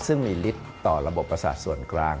ซึ่งมีฤทธิ์ต่อระบบประสาทส่วนกลาง